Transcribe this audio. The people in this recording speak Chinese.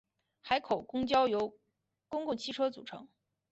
海口公交由公共汽车组成。